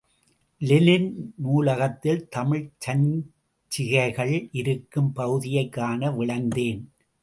Lenin நூலகத்தில் தமிழ் சஞ்சிசைகள் இருக்கும் பகுதியைக் காண விழைந்தேன்.